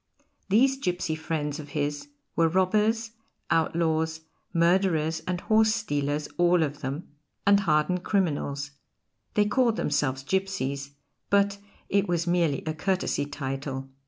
These gipsy friends of his were robbers, outlaws, murderers and horse stealers all of them, and hardened criminals; they called themselves gipsies, but it was merely a courtesy title.